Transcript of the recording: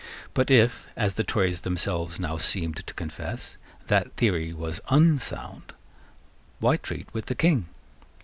But if, as the Tories themselves now seemed to confess, that theory was unsound, why treat with the King?